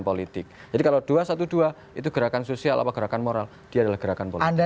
politik jadi kalau dua satu dua itu gerakan sosial apa gerakan moral dia gerakan anda